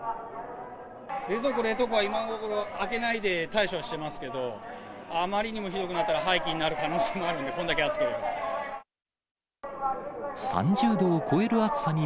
冷蔵庫、冷凍庫は今のところ、開けないで対処してますけど、あまりにもひどくなったら、廃棄する可能性もあるので、こんだけ暑いので。